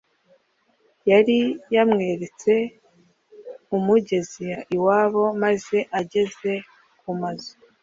yari yamweretse umugeza iwabo maze ageze kumazu